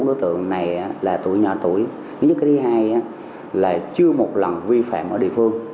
bốn đối tượng này là tuổi nhỏ tuổi nhưng cái thứ hai là chưa một lần vi phạm ở địa phương